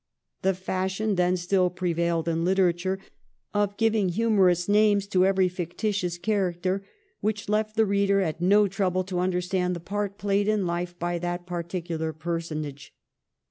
The fashion then still prevailed in literature of giving humorous names to every fictitious character, which left the reader at no trouble to understand the part played in life by that particular personage.